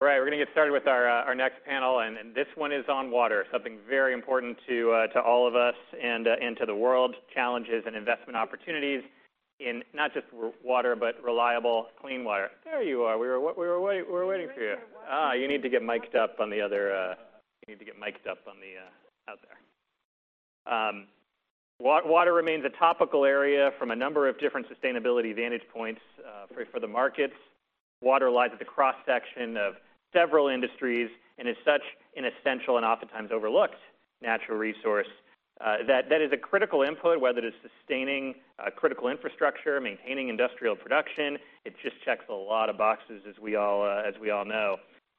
Right, we're gonna get started with our next panel, and this one is on water, something very important to all of us and to the world. Challenges and investment opportunities in not just water, but reliable, clean water. There you are. We were waiting, we're waiting for you. Ah, you need to get mic'd up on the other, you need to get mic'd up on the out there. Water remains a topical area from a number of different sustainability vantage points, for the markets. Water lies at the cross-section of several industries, and as such, an essential and oftentimes overlooked natural resource, that is a critical input, whether it is sustaining critical infrastructure, maintaining industrial production. It just checks a lot of boxes, as we all know.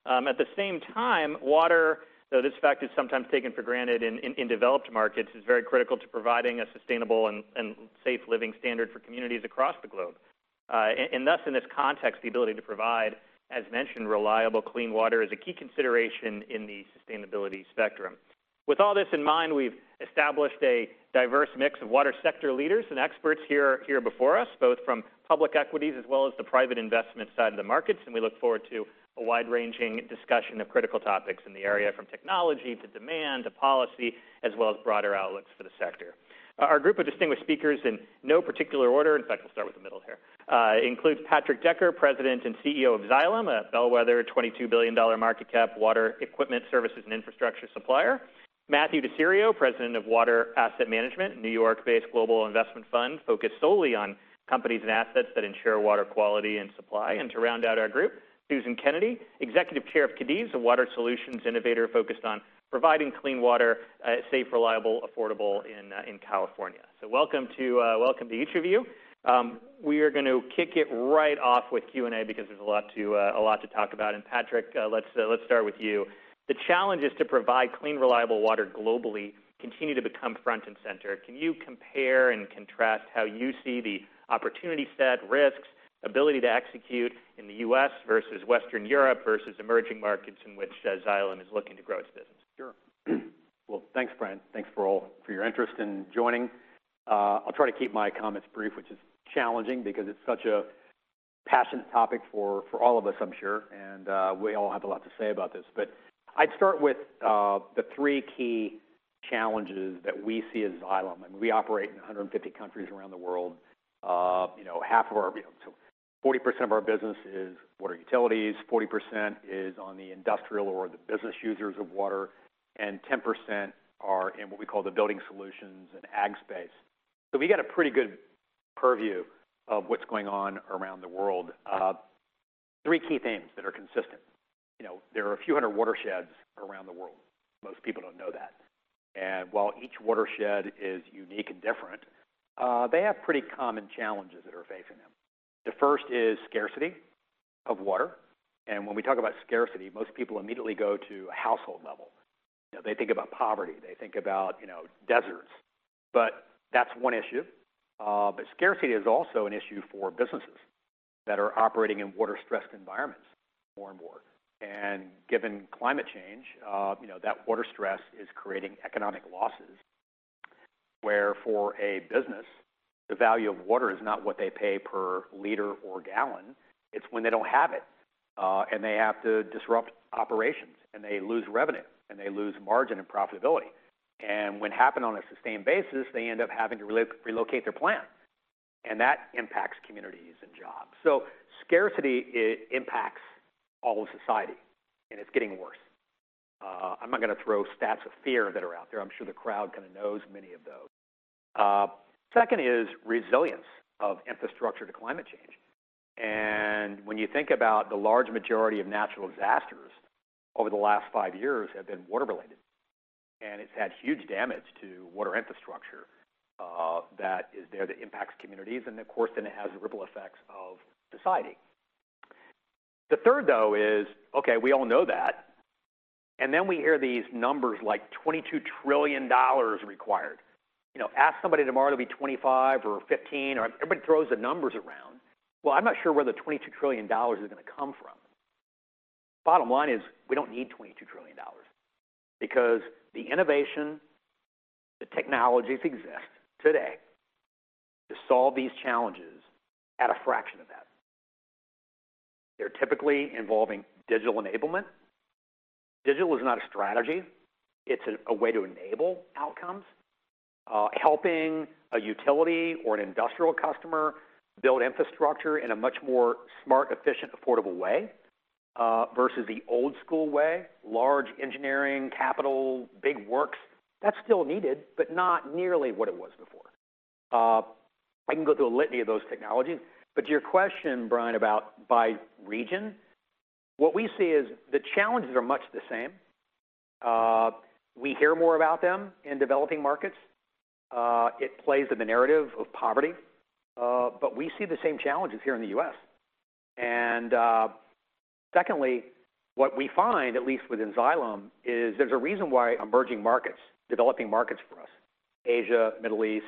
At the same time, water, though this fact is sometimes taken for granted in developed markets, is very critical to providing a sustainable and safe living standard for communities across the globe. And thus, in this context, the ability to provide, as mentioned, reliable, clean water is a key consideration in the sustainability spectrum. With all this in mind, we've established a diverse mix of water sector leaders and experts here before us, both from public equities as well as the private investment side of the markets, and we look forward to a wide-ranging discussion of critical topics in the area, from technology to demand to policy, as well as broader outlooks for the sector. Our group of distinguished speakers in no particular order, in fact, we'll start with the middle here, includes Patrick Decker, President and CEO of Xylem, a bellwether $22 billion market cap, water equipment services, and infrastructure supplier. Matthew Diserio, President of Water Asset Management, a New York-based global investment fund focused solely on companies and assets that ensure water quality and supply. And to round out our group, Susan Kennedy, Executive Chair of Cadiz, a water solutions innovator focused on providing clean water, safe, reliable, affordable in, in California. So welcome to, welcome to each of you. We are going to kick it right off with Q&A because there's a lot to, a lot to talk about. And Patrick, let's, let's start with you. The challenges to provide clean, reliable water globally continue to become front and center. Can you compare and contrast how you see the opportunity set, risks, ability to execute in the U.S. versus Western Europe versus emerging markets in which Xylem is looking to grow its business? Sure. Well, thanks, Brian. Thanks for all, for your interest in joining. I'll try to keep my comments brief, which is challenging because it's such a passionate topic for, for all of us, I'm sure, and we all have a lot to say about this. But I'd start with the three key challenges that we see as Xylem, and we operate in 150 countries around the world. You know, half of our... So 40% of our business is water utilities, 40% is on the industrial or the business users of water, and 10% are in what we call the building solutions and ag space. So we get a pretty good purview of what's going on around the world. Three key themes that are consistent. You know, there are a few hundred watersheds around the world. Most people don't know that. While each watershed is unique and different, they have pretty common challenges that are facing them. The first is scarcity of water, and when we talk about scarcity, most people immediately go to a household level. You know, they think about poverty, they think about, you know, deserts. But that's one issue, but scarcity is also an issue for businesses that are operating in water-stressed environments more and more. Given climate change, you know, that water stress is creating economic losses, where for a business, the value of water is not what they pay per liter or gallon, it's when they don't have it, and they have to disrupt operations, and they lose revenue, and they lose margin and profitability. When it happened on a sustained basis, they end up having to relocate their plant, and that impacts communities and jobs. Scarcity impacts all of society, and it's getting worse. I'm not going to throw stats of fear that are out there. I'm sure the crowd kind of knows many of those. Second is resilience of infrastructure to climate change. When you think about the large majority of natural disasters over the last five years have been water-related, and it's had huge damage to water infrastructure that is there, that impacts communities, and of course, then it has ripple effects of deciding. The third, though, is, okay, we all know that, and then we hear these numbers, like $22 trillion required. You know, ask somebody tomorrow, it'll be $25 trillion or $15 trillion, or everybody throws the numbers around. Well, I'm not sure where the $22 trillion is going to come from. Bottom line is, we don't need $22 trillion because the innovation, the technologies exist today to solve these challenges at a fraction of that. They're typically involving digital enablement. Digital is not a strategy; it's a way to enable outcomes, helping a utility or an industrial customer build infrastructure in a much more smart, efficient, affordable way, versus the old school way, large engineering, capital, big works. That's still needed, but not nearly what it was before. I can go through a litany of those technologies, but to your question, Brian, about by region, what we see is the challenges are much the same. We hear more about them in developing markets. It plays in the narrative of poverty, but we see the same challenges here in the U.S. And, secondly, what we find, at least within Xylem, is there's a reason why emerging markets, developing markets for us, Asia, Middle East,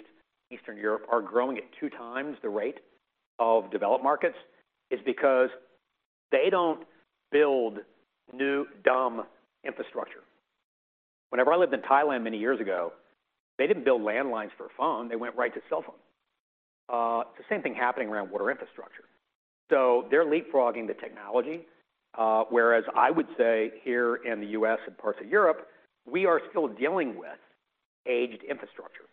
Eastern Europe, are growing at two times the rate of developed markets, is because they don't build new dumb infrastructure.... Whenever I lived in Thailand many years ago, they didn't build landlines for phone, they went right to cell phone. The same thing happening around water infrastructure. So they're leapfrogging the technology, whereas I would say here in the US and parts of Europe, we are still dealing with aged infrastructure,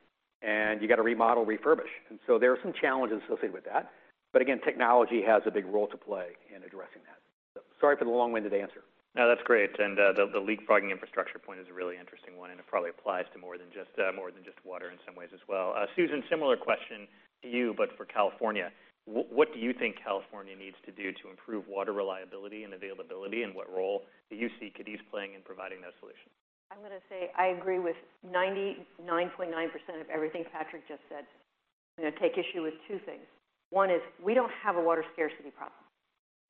and you got to remodel, refurbish. And so there are some challenges associated with that. But again, technology has a big role to play in addressing that. So sorry for the long-winded answer. No, that's great. And, the leapfrogging infrastructure point is a really interesting one, and it probably applies to more than just water in some ways as well. Susan, similar question to you, but for California. What do you think California needs to do to improve water reliability and availability, and what role do you see Cadiz playing in providing those solutions? I'm going to say I agree with 99.9% of everything Patrick just said. I'm going to take issue with two things. One is we don't have a water scarcity problem.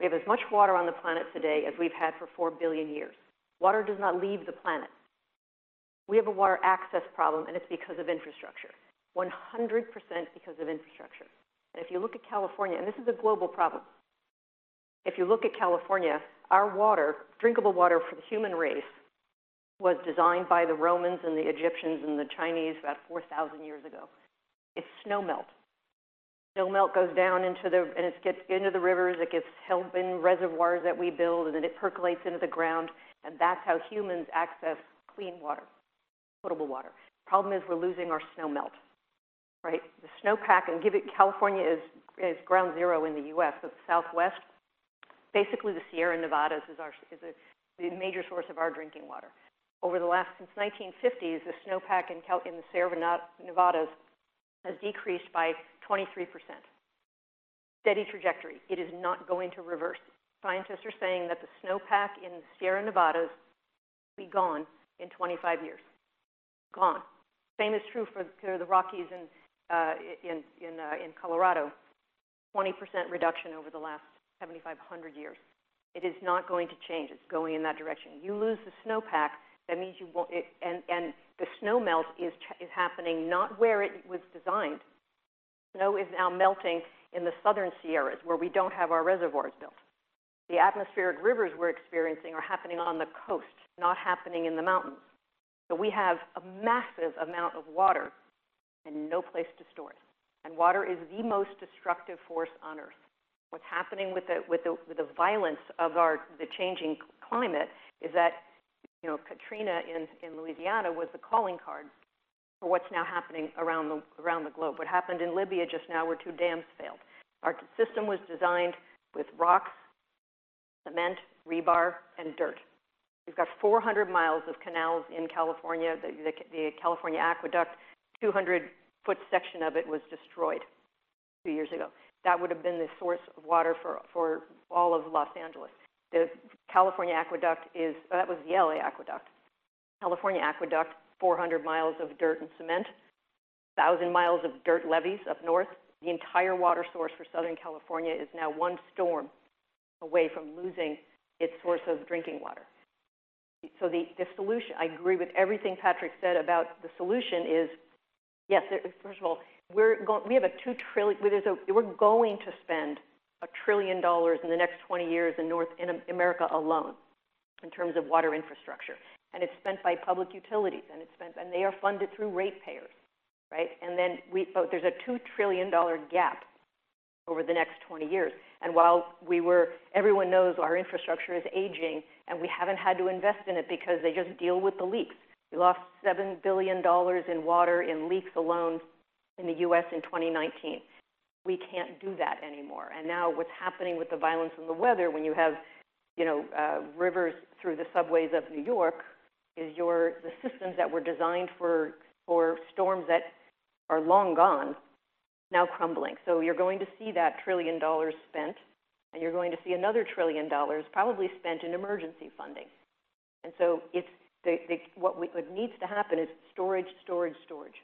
We have as much water on the planet today as we've had for four billion years. Water does not leave the planet. We have a water access problem, and it's because of infrastructure. 100% because of infrastructure. If you look at California... And this is a global problem. If you look at California, our water, drinkable water for the human race, was designed by the Romans and the Egyptians and the Chinese about 4,000 years ago. It's snowmelt. Snow melt goes down into the and it gets into the rivers, it gets held in reservoirs that we build, and then it percolates into the ground, and that's how humans access clean water, potable water. Problem is, we're losing our snowmelt, right? The snowpack, California is ground zero in the U.S., but the Southwest, basically, the Sierra Nevada is the major source of our drinking water. Over the last since 1950s, the snowpack in California in the Sierra Nevada has decreased by 23%. Steady trajectory. It is not going to reverse. Scientists are saying that the snowpack in the Sierra Nevada will be gone in 25 years. Gone. Same is true for the Rockies in Colorado. 20% reduction over the last 7,500 years. It is not going to change. It's going in that direction. You lose the snowpack, that means you won't. And the snow melt is happening not where it was designed. Snow is now melting in the southern Sierras, where we don't have our reservoirs built. The atmospheric rivers we're experiencing are happening on the coast, not happening in the mountains. So we have a massive amount of water and no place to store it, and water is the most destructive force on Earth. What's happening with the violence of our changing climate is that, you know, Katrina in Louisiana was the calling card for what's now happening around the globe. What happened in Libya just now, where two dams failed. Our system was designed with rocks, cement, rebar, and dirt. We've got 400 miles of canals in California. The California Aqueduct, 200-foot section of it was destroyed two years ago. That would have been the source of water for all of Los Angeles. The California Aqueduct is... that was the LA Aqueduct. California Aqueduct, 400 miles of dirt and cement, 1,000 miles of dirt levees up north. The entire water source for Southern California is now one storm away from losing its source of drinking water. So the solution- I agree with everything Patrick said about the solution is... Yes, there- first of all, we're going- we have a $2 trillion-- there's a, we're going to spend $1 trillion in the next 20 years in North America alone in terms of water infrastructure. And it's spent by public utilities, and it's spent- and they are funded through ratepayers, right? But there's a $2 trillion gap over the next 20 years. And while everyone knows our infrastructure is aging, and we haven't had to invest in it because they just deal with the leaks. We lost $7 billion in water in leaks alone in the U.S. in 2019. We can't do that anymore. And now what's happening with the violence and the weather, when you have, you know, rivers through the subways of New York, is the systems that were designed for storms that are long gone, now crumbling. So you're going to see that $1 trillion spent, and you're going to see another $1 trillion probably spent in emergency funding. And so it's the, the... What needs to happen is storage, storage, storage,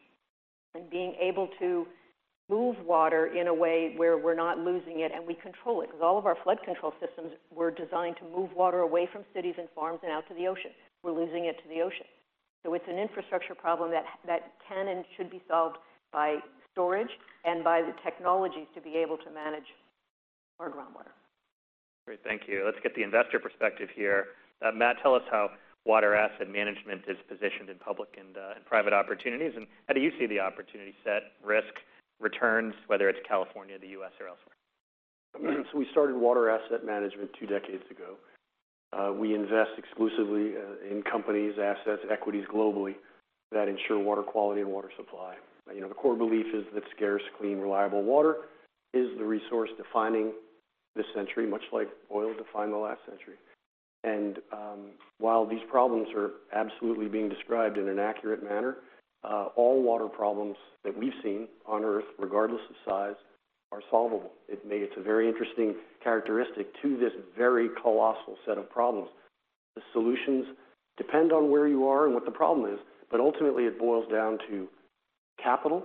and being able to move water in a way where we're not losing it and we control it, because all of our flood control systems were designed to move water away from cities and farms and out to the ocean. We're losing it to the ocean. So it's an infrastructure problem that can and should be solved by storage and by the technology to be able to manage our groundwater. Great, thank you. Let's get the investor perspective here. Matt, tell us how Water Asset Management is positioned in public and private opportunities, and how do you see the opportunity set, risk, returns, whether it's California, the U.S., or elsewhere? So we started Water Asset Management two decades ago. We invest exclusively in companies, assets, equities, globally that ensure water quality and water supply. You know, the core belief is that scarce, clean, reliable water is the resource defining this century, much like oil defined the last century. And while these problems are absolutely being described in an accurate manner, all water problems that we've seen on Earth, regardless of size, are solvable. It's a very interesting characteristic to this very colossal set of problems. The solutions depend on where you are and what the problem is, but ultimately it boils down to capital,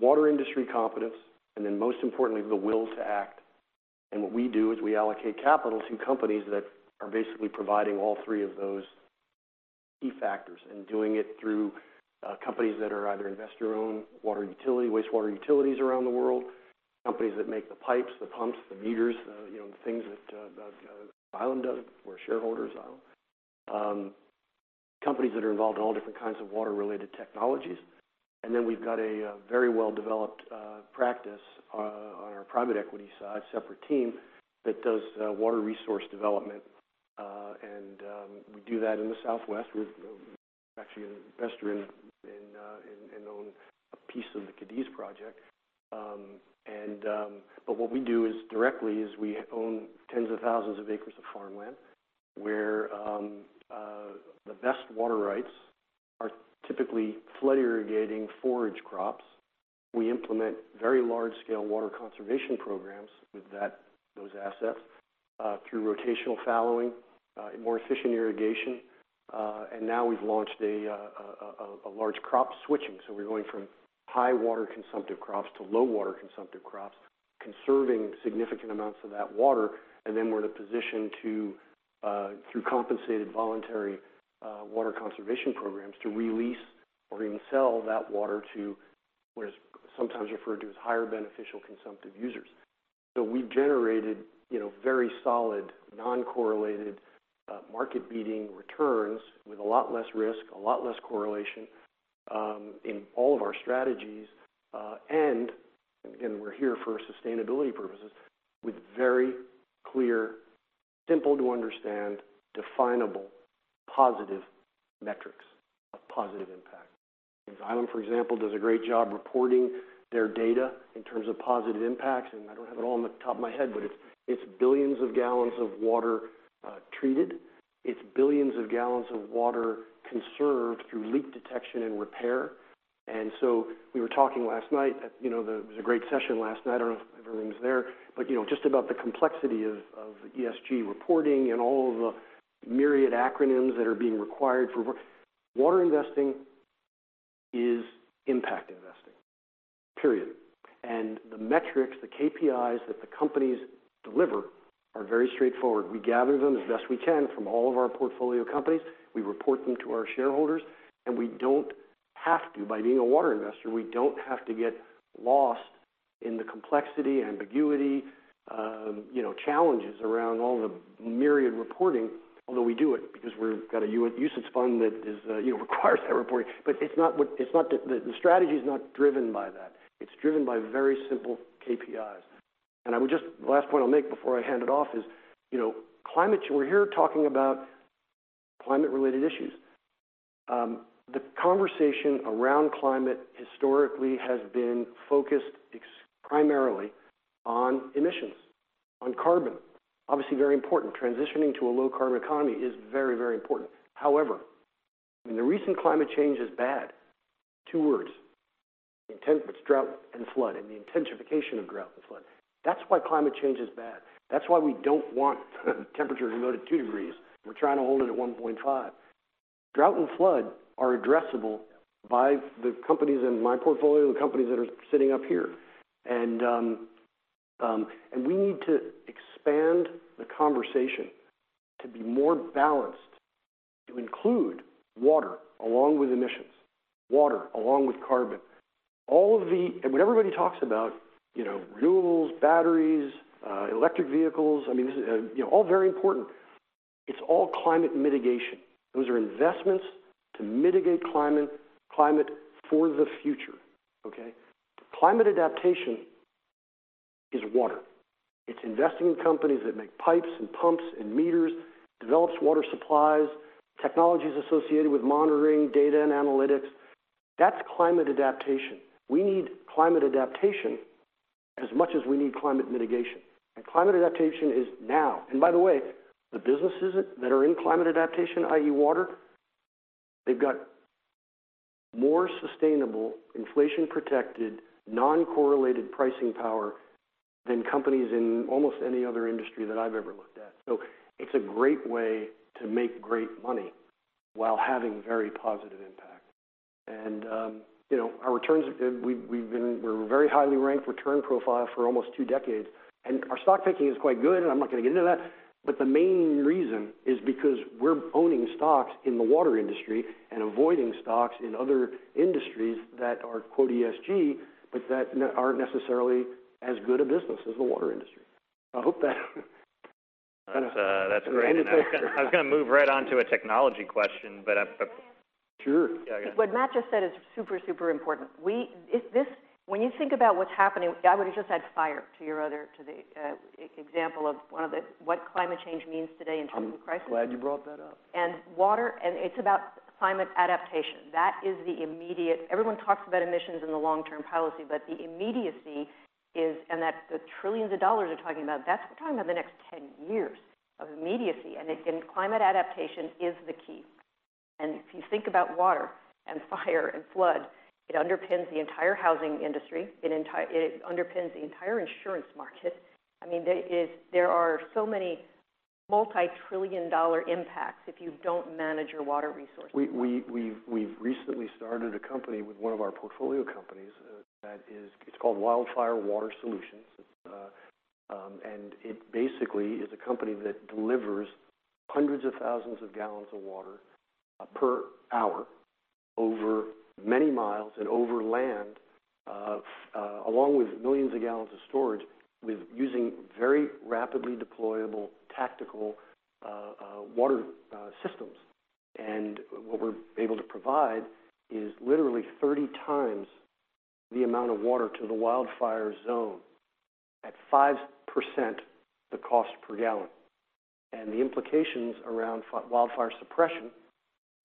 water industry confidence, and then, most importantly, the will to act. And what we do is we allocate capital to companies that are basically providing all three of those key factors and doing it through... Companies that are either investor-owned water utilities, wastewater utilities around the world, companies that make the pipes, the pumps, the meters, you know, the things that Xylem does, we're shareholders of Xylem. Companies that are involved in all different kinds of water-related technologies, and then we've got a very well-developed practice on our private equity side, separate team, that does water resource development. And we do that in the Southwest. We're actually an investor in, in, in, in own a piece of the Cadiz project. And but what we do is directly is we own tens of thousands of acres of farmland, where the best water rights are typically flood irrigating forage crops. We implement very large-scale water conservation programs with that, those assets, through rotational fallowing, more efficient irrigation, and now we've launched a large crop switching. So we're going from high water consumptive crops to low water consumptive crops, conserving significant amounts of that water, and then we're in a position to, through compensated voluntary water conservation programs, to release or even sell that water to what is sometimes referred to as higher beneficial consumptive users. So we've generated, you know, very solid, non-correlated market-leading returns with a lot less risk, a lot less correlation, in all of our strategies, and again, we're here for sustainability purposes, with very clear, simple to understand, definable positive metrics of positive impact. Xylem, for example, does a great job reporting their data in terms of positive impacts, and I don't have it all on the top of my head, but it's billions of gallons of water treated. It's billions of gallons of water conserved through leak detection and repair. And so we were talking last night, at, you know, it was a great session last night. I don't know if everyone was there, but, you know, just about the complexity of ESG reporting and all of the myriad acronyms that are being required for work. Water investing is impact investing, period. And the metrics, the KPIs that the companies deliver are very straightforward. We gather them as best we can from all of our portfolio companies. We report them to our shareholders, and we don't have to. By being a water investor, we don't have to get lost in the complexity, ambiguity, you know, challenges around all the myriad reporting, although we do it because we've got a U.S. ESG fund that is, you know, requires that reporting. But it's not what... It's not the; the strategy is not driven by that. It's driven by very simple KPIs. And I would just, the last point I'll make before I hand it off is, you know, climate. We're here talking about climate-related issues. The conversation around climate historically has been focused primarily on emissions, on carbon. Obviously, very important. Transitioning to a low carbon economy is very, very important. However, when the recent climate change is bad, two words: intense. It's drought and flood, and the intensification of drought and flood. That's why climate change is bad. That's why we don't want temperature to go to 2 degrees. We're trying to hold it at 1.5. Drought and flood are addressable by the companies in my portfolio, the companies that are sitting up here. And we need to expand the conversation to be more balanced, to include water along with emissions, water along with carbon. And when everybody talks about, you know, renewables, batteries, electric vehicles, I mean, this is, you know, all very important. It's all climate mitigation. Those are investments to mitigate climate, climate for the future, okay? Climate adaptation is water. It's investing in companies that make pipes and pumps and meters, develops water supplies, technologies associated with monitoring data and analytics. That's climate adaptation. We need climate adaptation as much as we need climate mitigation. Climate adaptation is now. By the way, the businesses that are in climate adaptation, i.e., water, they've got more sustainable, inflation-protected, non-correlated pricing power than companies in almost any other industry that I've ever looked at. So it's a great way to make great money while having very positive impact. And, you know, our returns, we've been, we're very highly ranked return profile for almost two decades, and our stock picking is quite good, and I'm not going to get into that. But the main reason is because we're owning stocks in the water industry and avoiding stocks in other industries that are, quote, “ESG,” but that aren't necessarily as good a business as the water industry. I hope that, kind of- That's, that's great. Great. I was gonna move right on to a technology question, but Sure. Yeah, I got- What Matt just said is super, super important. When you think about what's happening, I would have just add fire to your other, to the example of one of the, what climate change means today in terms of crisis. I'm glad you brought that up. And water, and it's about climate adaptation. That is the immediate... Everyone talks about emissions in the long-term policy, but the immediacy is, and that the $ trillions you're talking about, that's, we're talking about the next 10 years of immediacy, and it, and climate adaptation is the key. And if you think about water and fire and flood, it underpins the entire housing industry, it underpins the entire insurance market. I mean, there is, there are so many multi-trillion-dollar impacts if you don't manage your water resources. We've recently started a company with one of our portfolio companies that is called Wildfire Water Solutions. And it basically is a company that delivers hundreds of thousands of gallons of water per hour over many miles and over land, along with millions of gallons of storage, with using very rapidly deployable tactical water systems. And what we're able to provide is literally 30 times the amount of water to the wildfire zone at 5% the cost per gallon. And the implications around wildfire suppression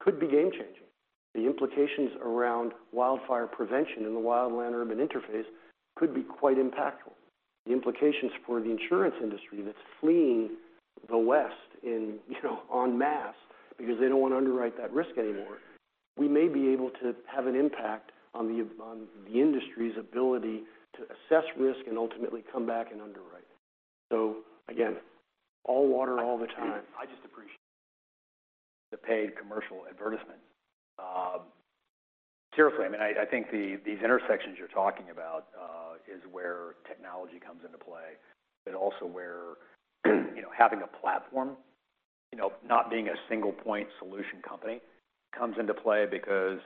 could be game-changing. The implications around wildfire prevention in the wildland-urban interface could be quite impactful. The implications for the insurance industry that's fleeing the West in, you know, en masse because they don't want to underwrite that risk anymore, we may be able to have an impact on the industry's ability to assess risk and ultimately come back and underwrite. So again, all water, all the time. I just appreciate the paid commercial advertisement. Seriously, I mean, I think these intersections you're talking about is where technology comes into play, but also where, you know, having a platform, you know, not being a single-point solution company, comes into play. Because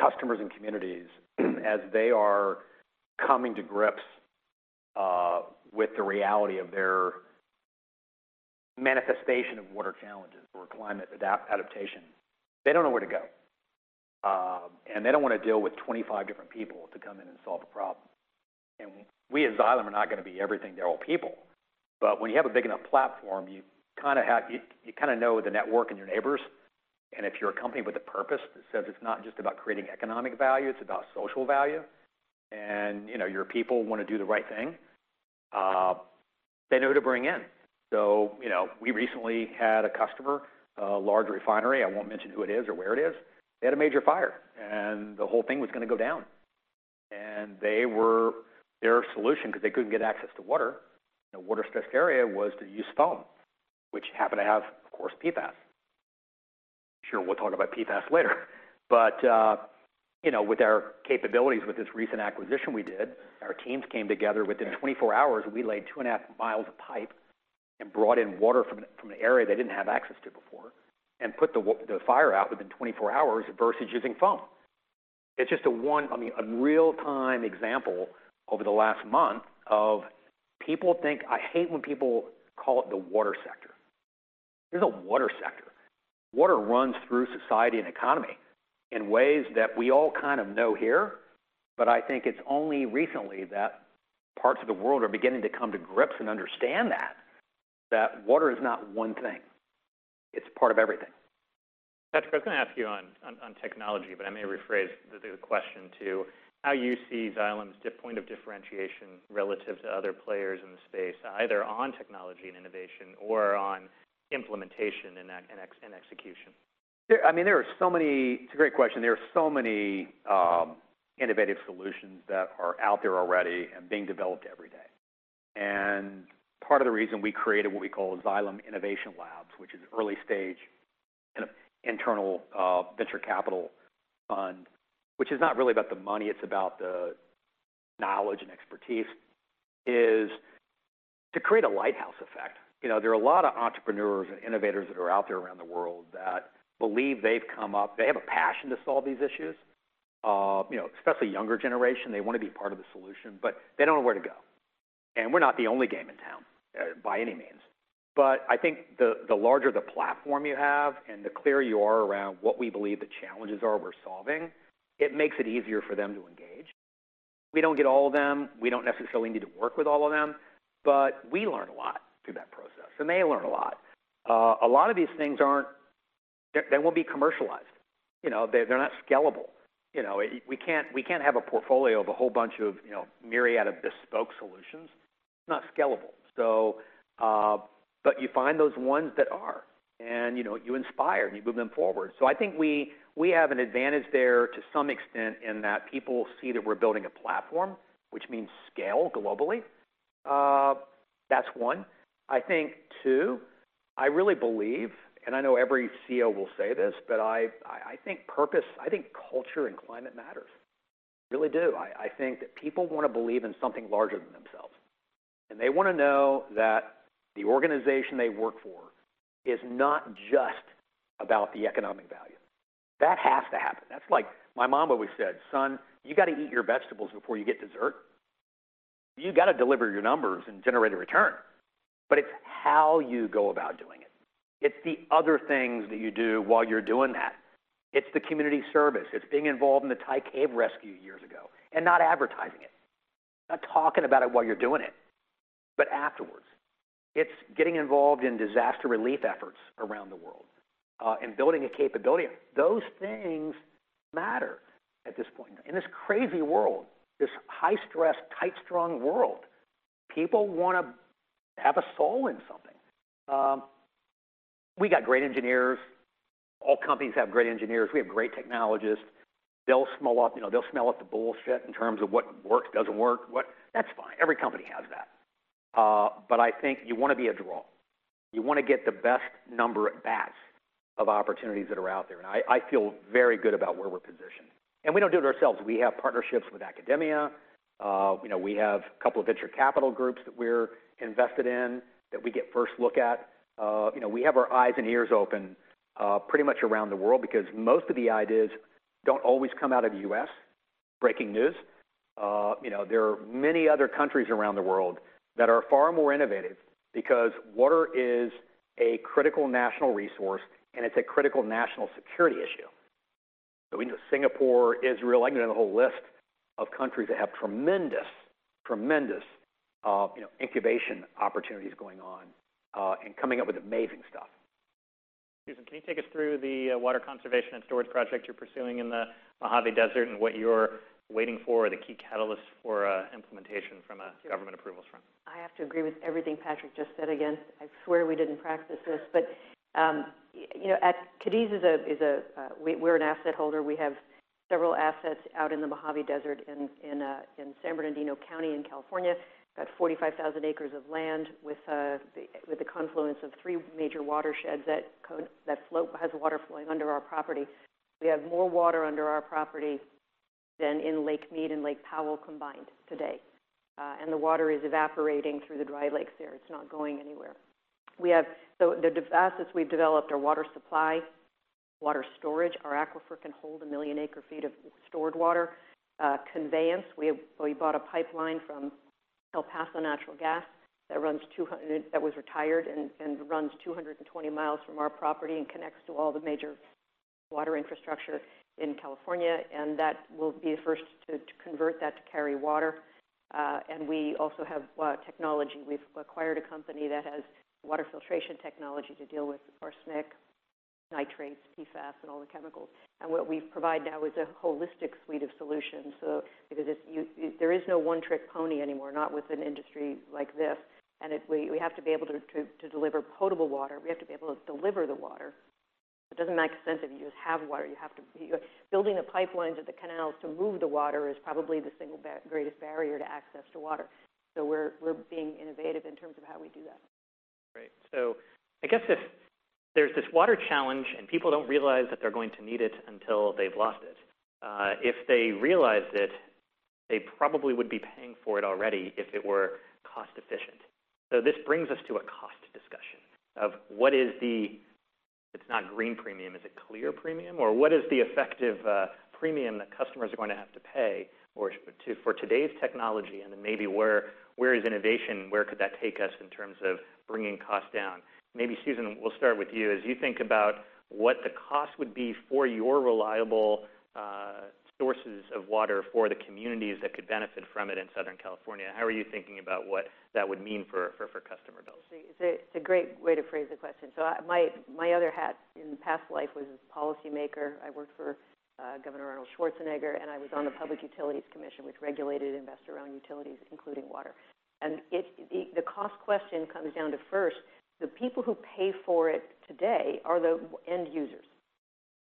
customers and communities, as they are coming to grips with the reality of their manifestation of water challenges or climate adaptation, they don't know where to go. And they don't want to deal with 25 different people to come in and solve a problem. And we, as Xylem, are not going to be everything to all people. But when you have a big enough platform, you kind of have... You kind of know the network and your neighbors. If you're a company with a purpose that says it's not just about creating economic value, it's about social value, and, you know, your people want to do the right thing, they know who to bring in. So, you know, we recently had a customer, a large refinery, I won't mention who it is or where it is. They had a major fire, and the whole thing was going to go down, and they were, their solution, because they couldn't get access to water, in a water-stressed area, was to use foam, which happened to have, of course, PFAS. I'm sure we'll talk about PFAS later. But, you know, with our capabilities with this recent acquisition we did, our teams came together. Within 24 hours, we laid 2.5 miles of pipe and brought in water from an area they didn't have access to before, and put the fire out within 24 hours, versus using foam. It's just I mean, a real-time example over the last month of people I hate when people call it the water sector. There's no water sector. Water runs through society and economy in ways that we all kind of know here, but I think it's only recently that parts of the world are beginning to come to grips and understand that water is not one thing. It's part of everything. Patrick, I was going to ask you on technology, but I may rephrase the question to how you see Xylem's differentiation point relative to other players in the space, either on technology and innovation or on implementation and execution? I mean, there are so many... It's a great question. There are so many innovative solutions that are out there already and being developed every day. And part of the reason we created what we call Xylem Innovation Labs, which is early stage, an internal, venture capital fund, which is not really about the money, it's about the knowledge and expertise, is to create a lighthouse effect. You know, there are a lot of entrepreneurs and innovators that are out there around the world that believe they've come up. They have a passion to solve these issues, you know, especially younger generation. They want to be part of the solution, but they don't know where to go. And we're not the only game in town, by any means. But I think the larger the platform you have and the clearer you are around what we believe the challenges are we're solving, it makes it easier for them to engage. We don't get all of them. We don't necessarily need to work with all of them, but we learn a lot through that process, and they learn a lot. A lot of these things aren't. They won't be commercialized. You know, they're not scalable. You know, we can't have a portfolio of a whole bunch of, you know, myriad of bespoke solutions. Not scalable. So, but you find those ones that are, and, you know, you inspire, and you move them forward. So I think we have an advantage there to some extent, in that people see that we're building a platform, which means scale globally. That's one. I think, too, I really believe, and I know every CEO will say this, but I, I, I think purpose, I think culture and climate matters. I really do. I, I think that people want to believe in something larger than themselves, and they want to know that the organization they work for is not just about the economic value. That has to happen. That's like my mom always said, "Son, you've got to eat your vegetables before you get dessert." You've got to deliver your numbers and generate a return, but it's how you go about doing it. It's the other things that you do while you're doing that. It's the community service. It's being involved in the Thai cave rescue years ago, and not advertising it, not talking about it while you're doing it, but afterwards. It's getting involved in disaster relief efforts around the world, and building a capability. Those things matter at this point. In this crazy world, this high-stress, tight, strong world, people want to have a soul in something. We got great engineers. All companies have great engineers. We have great technologists. They'll smell out the bullshit in terms of what works, doesn't work. That's fine. Every company has that. But I think you want to be a draw. You want to get the best number at-bats of opportunities that are out there, and I, I feel very good about where we're positioned. We don't do it ourselves. We have partnerships with academia, you know, we have a couple of venture capital groups that we're invested in, that we get first look at. You know, we have our eyes and ears open, pretty much around the world, because most of the ideas don't always come out of the U.S. Breaking news, you know, there are many other countries around the world that are far more innovative because water is a critical national resource, and it's a critical national security issue. So we know Singapore, Israel, I can name a whole list of countries that have tremendous, tremendous, you know, incubation opportunities going on, and coming up with amazing stuff. Susan, can you take us through the water conservation and storage project you're pursuing in the Mojave Desert, and what you're waiting for are the key catalysts for implementation from a government approvals front? I have to agree with everything Patrick just said. Again, I swear we didn't practice this. But, you know, at Cadiz, we're an asset holder. We have several assets out in the Mojave Desert in San Bernardino County in California. About 45,000 acres of land with the confluence of three major watersheds that flow, has water flowing under our property. We have more water under our property than in Lake Mead and Lake Powell combined today, and the water is evaporating through the dry lakes there. It's not going anywhere. We have. So the assets we've developed are water supply, water storage. Our aquifer can hold 1 million acre-feet of stored water. Conveyance, we bought a pipeline from El Paso Natural Gas that runs 200- that was retired and runs 220 miles from our property and connects to all the major water infrastructure in California, and that will be the first to convert that to carry water. And we also have technology. We've acquired a company that has water filtration technology to deal with arsenic, nitrates, PFAS, and all the chemicals. And what we provide now is a holistic suite of solutions. So because it's you, there is no one-trick pony anymore, not with an industry like this. And if we have to be able to deliver potable water, we have to be able to deliver the water. It doesn't make sense if you just have water, you have to be building the pipelines or the canals to move the water is probably the single greatest barrier to access to water. So we're being innovative in terms of how we do that. Great. So I guess if there's this water challenge, and people don't realize that they're going to need it until they've lost it, if they realized it, they probably would be paying for it already if it were cost efficient. So this brings us to a cost discussion of what is the... It's not green premium. Is it clear premium, or what is the effective, premium that customers are going to have to pay for for today's technology? And then maybe where, where is innovation, where could that take us in terms of bringing costs down? Maybe, Susan, we'll start with you. As you think about what the cost would be for your reliable, sources of water for the communities that could benefit from it in Southern California, how are you thinking about what that would mean for, for, for customer bills? It's a, it's a great way to phrase the question. So I, my, my other hat in past life was a policymaker. I worked for, Governor Arnold Schwarzenegger, and I was on the Public Utilities Commission, which regulated investor-owned utilities, including water. And it's, the, the cost question comes down to, first, the people who pay for it today are the end users.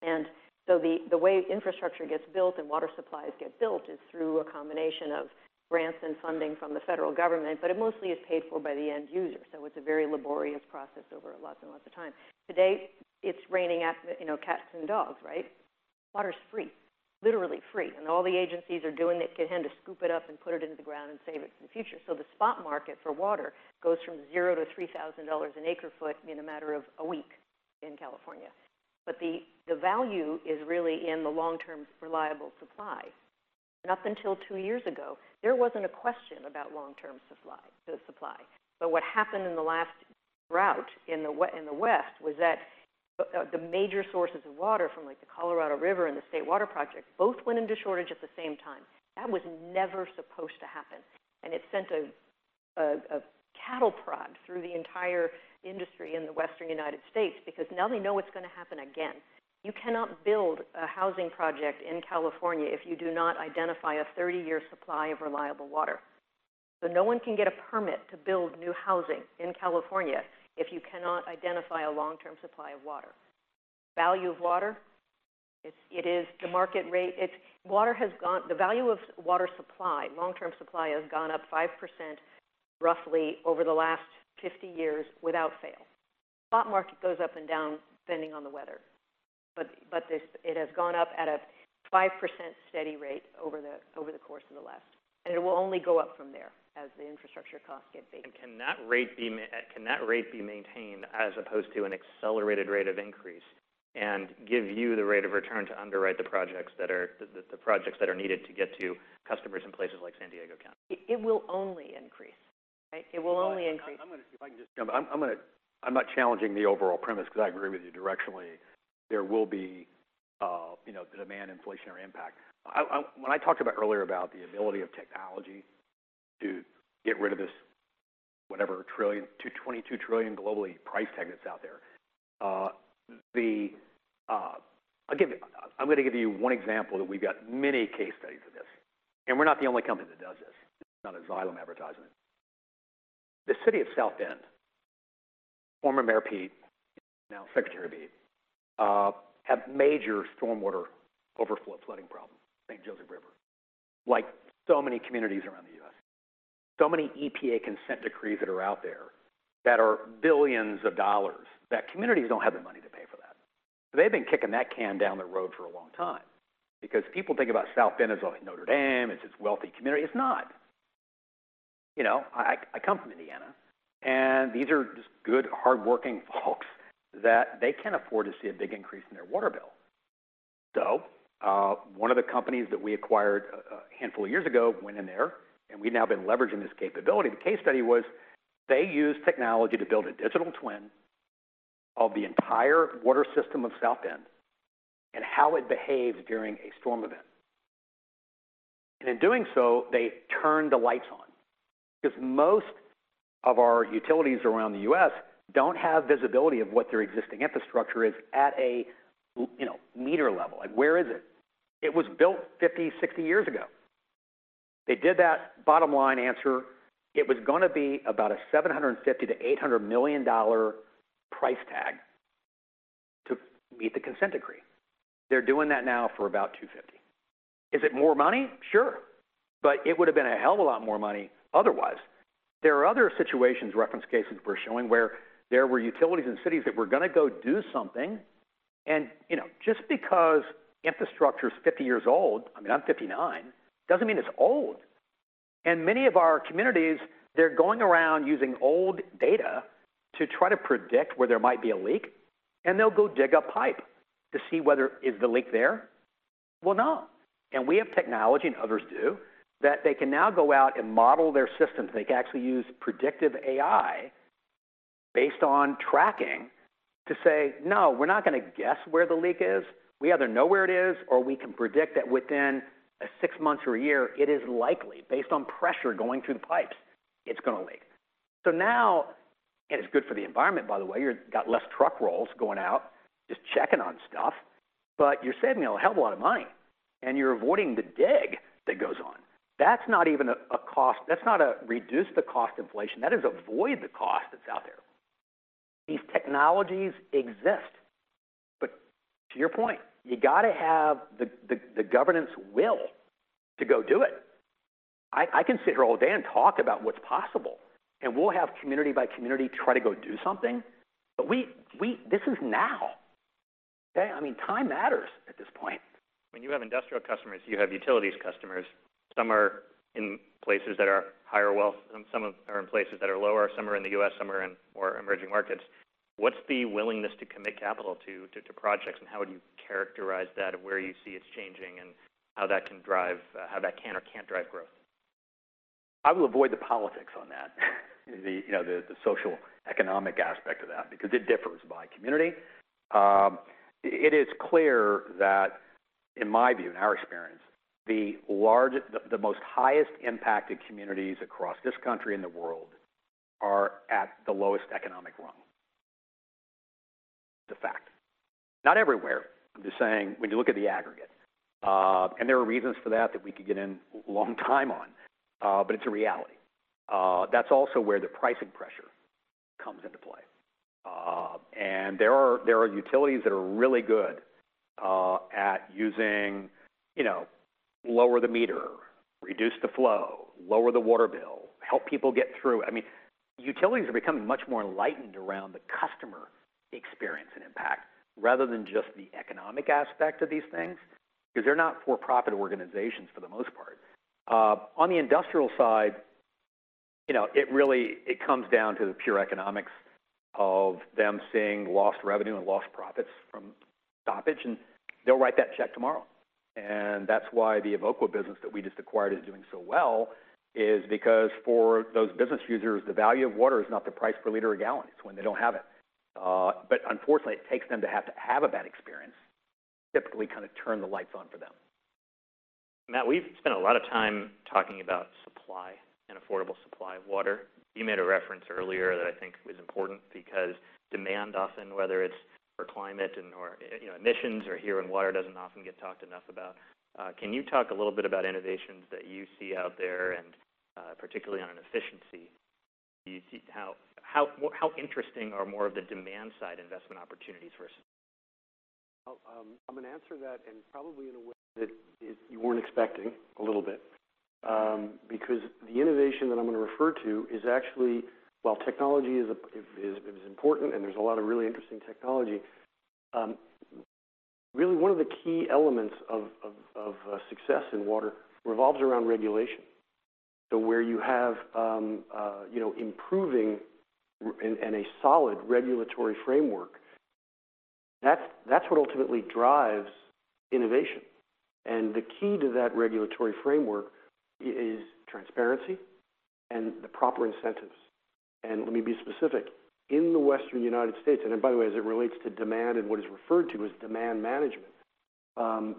And so the, the way infrastructure gets built and water supplies get built is through a combination of grants and funding from the federal government, but it mostly is paid for by the end user. So it's a very laborious process over lots and lots of time. Today, it's raining out, you know, cats and dogs, right? Water's free, literally free, and all the agencies are doing they can to scoop it up and put it into the ground and save it for the future. So the spot market for water goes from 0 to $3,000 an acre-foot in a matter of a week in California. But the value is really in the long-term, reliable supply. And up until 2 years ago, there wasn't a question about long-term supply. But what happened in the last drought in the West was that the major sources of water from, like, the Colorado River and the State Water Project both went into shortage at the same time. That was never supposed to happen, and it sent a cattle prod through the entire industry in the Western United States because now they know it's going to happen again. You cannot build a housing project in California if you do not identify a 30-year supply of reliable water. So no one can get a permit to build new housing in California if you cannot identify a long-term supply of water. Value of water, it's, it is the market rate. It's- water has gone... The value of water supply, long-term supply, has gone up 5% roughly over the last 50 years without fail. Spot market goes up and down, depending on the weather, but, but this, it has gone up at a 5% steady rate over the, over the course of the last, and it will only go up from there as the infrastructure costs get bigger. Can that rate be maintained as opposed to an accelerated rate of increase and give you the rate of return to underwrite the projects that are needed to get to customers in places like San Diego County? It will only increase, right? It will only increase. I'm gonna. If I can just jump in. I'm gonna—I'm not challenging the overall premise because I agree with you directionally. There will be, you know, demand inflationary impact. When I talked about earlier about the ability of technology to get rid of this, whatever, $1 trillion-$22 trillion globally price tag that's out there, I'll give you. I'm gonna give you one example that we've got many case studies of this, and we're not the only company that does this. Not a Xylem advertisement. The city of South Bend, former Mayor Pete, now Secretary Pete, had major stormwater overflow flooding problems, St. Joseph River, like so many communities around the U.S., so many EPA consent decrees that are out there, that are billions of dollars, that communities don't have the money to pay for that. They've been kicking that can down the road for a long time, because people think about South Bend as, oh, Notre Dame, it's this wealthy community. It's not. You know, I come from Indiana, and these are just good, hardworking folks that they can't afford to see a big increase in their water bill. So, one of the companies that we acquired a handful of years ago went in there, and we've now been leveraging this capability. The case study was they used technology to build a digital twin of the entire water system of South Bend and how it behaves during a storm event. And in doing so, they turned the lights on, because most of our utilities around the U.S. don't have visibility of what their existing infrastructure is at a, you know, meter level. Like, where is it? It was built 50, 60 years ago. They did that bottom-line answer. It was gonna be about a $750 million-$800 million price tag to meet the Consent Decree. They're doing that now for about $250 million. Is it more money? Sure, but it would have been a hell of a lot more money otherwise. There are other situations, reference cases we're showing, where there were utilities and cities that were gonna go do something, and, you know, just because infrastructure's 50 years old, I mean, I'm 59, doesn't mean it's old. Many of our communities, they're going around using old data to try to predict where there might be a leak, and they'll go dig a pipe to see whether... Is the leak there? Well, no. We have technology, and others do, that they can now go out and model their systems. They can actually use predictive AI based on tracking to say, "No, we're not gonna guess where the leak is. We either know where it is, or we can predict that within six months or a year, it is likely, based on pressure going through the pipes, it's gonna leak." So now, and it's good for the environment, by the way, you got less truck rolls going out, just checking on stuff, but you're saving a hell of a lot of money, and you're avoiding the dig that goes on. That's not even a cost. That's not a reduce the cost inflation, that is avoid the cost that's out there. These technologies exist, but to your point, you got to have the government's will to go do it. I can sit here all day and talk about what's possible, and we'll have community by community try to go do something, but this is now, okay? I mean, time matters at this point. When you have industrial customers, you have utilities customers, some are in places that are higher wealth, and some of them are in places that are lower, some are in the U.S., some are in more emerging markets. What's the willingness to commit capital to projects, and how would you characterize that, and where you see it's changing, and how that can drive, how that can or can't drive growth? I will avoid the politics on that, you know, the social economic aspect of that, because it differs by community. It is clear that, in my view, in our experience, the largest, the most highest impacted communities across this country and the world are at the lowest economic rung. It's a fact. Not everywhere, I'm just saying, when you look at the aggregate, and there are reasons for that, that we could get in long time on, but it's a reality. That's also where the pricing pressure comes into play. And there are utilities that are really good at using, you know, lower the meter, reduce the flow, lower the water bill, help people get through. I mean, utilities are becoming much more enlightened around the customer experience and impact, rather than just the economic aspect of these things, because they're not for-profit organizations, for the most part. On the industrial side, you know, it really, it comes down to the pure economics of them seeing lost revenue and lost profits from stoppage, and they'll write that check tomorrow. And that's why the Evoqua business that we just acquired is doing so well, is because for those business users, the value of water is not the price per liter or gallon, it's when they don't have it. But unfortunately, it takes them to have to have a bad experience, typically kind of turn the lights on for them. Matt, we've spent a lot of time talking about supply and affordable supply of water. You made a reference earlier that I think is important because demand, often, whether it's for climate and or, you know, emissions or here, and water doesn't often get talked enough about. Can you talk a little bit about innovations that you see out there, and particularly on efficiency? Do you see how interesting are more of the demand-side investment opportunities for us? I'm going to answer that, and probably in a way that you weren't expecting, a little bit, because the innovation that I'm going to refer to is actually, while technology is important and there's a lot of really interesting technology, really one of the key elements of success in water revolves around regulation. So where you have, you know, improving and a solid regulatory framework, that's what ultimately drives innovation. And the key to that regulatory framework is transparency and the proper incentives. And let me be specific. In the Western United States, and by the way, as it relates to demand and what is referred to as demand management, the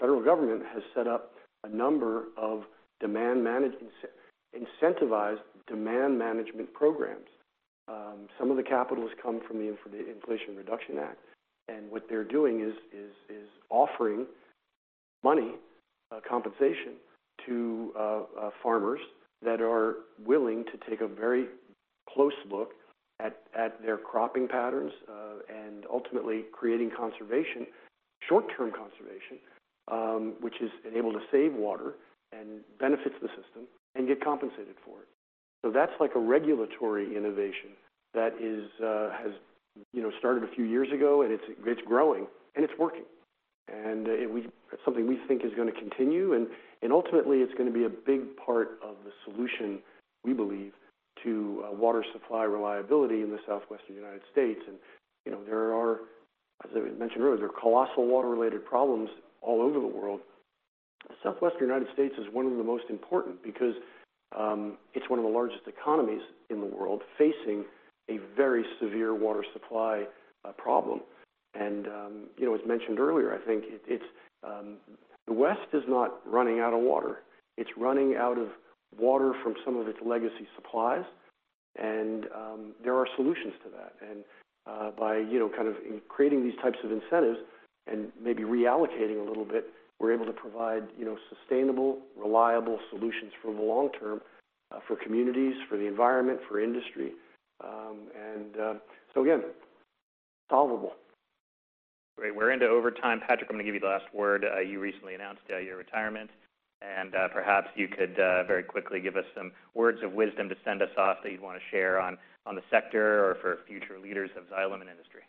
federal government has set up a number of demand management--incentivized demand management programs. Some of the capital has come from the Inflation Reduction Act, and what they're doing is offering money, compensation to farmers that are willing to take a very close look at their cropping patterns, and ultimately creating conservation, short-term conservation, which is able to save water and benefits the system and get compensated for it. So that's like a regulatory innovation that has, you know, started a few years ago, and it's growing and it's working. It's something we think is going to continue, and ultimately, it's going to be a big part of the solution, we believe, to water supply reliability in the southwestern United States. And, you know, there are, as I mentioned earlier, there are colossal water-related problems all over the world. Southwestern United States is one of the most important because, it's one of the largest economies in the world, facing a very severe water supply problem. And, you know, as mentioned earlier, I think it's, the West is not running out of water. It's running out of water from some of its legacy supplies, and, there are solutions to that. And, by, you know, kind of creating these types of incentives and maybe reallocating a little bit, we're able to provide, you know, sustainable, reliable solutions for the long term, for communities, for the environment, for industry. And, so again, solvable. Great. We're into overtime. Patrick, I'm going to give you the last word. You recently announced your retirement, and perhaps you could very quickly give us some words of wisdom to send us off that you'd want to share on the sector or for future leaders of Xylem and industry.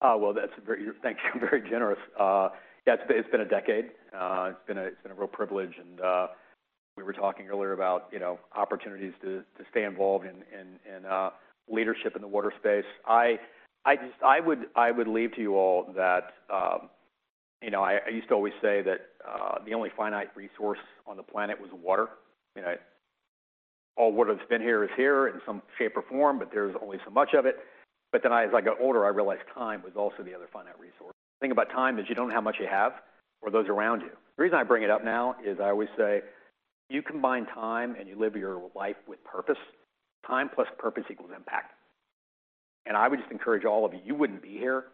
Oh, well, that's very... Thank you. Very generous. Yeah, it's, it's been a decade. It's been a real privilege, and we were talking earlier about, you know, opportunities to stay involved in leadership in the water space. I just—I would leave to you all that, you know, I used to always say that the only finite resource on the planet was water. You know, all water that's been here is here in some shape or form, but there's only so much of it. But then as I got older, I realized time was also the other finite resource. The thing about time is you don't know how much you have or those around you. The reason I bring it up now is I always say, you combine time and you live your life with purpose, time plus purpose equals impact. I would just encourage all of you, you wouldn't be here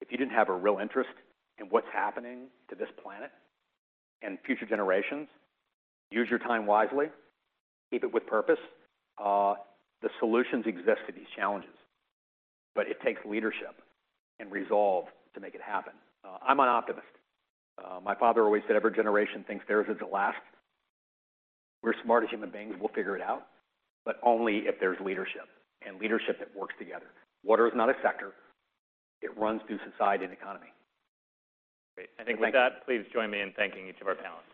if you didn't have a real interest in what's happening to this planet and future generations. Use your time wisely, keep it with purpose. The solutions exist to these challenges, but it takes leadership and resolve to make it happen. I'm an optimist. My father always said, "Every generation thinks theirs is the last." We're smart as human beings. We'll figure it out, but only if there's leadership, and leadership that works together. Water is not a sector. It runs through society and economy. Great. I think with that, please join me in thanking each of our panelists.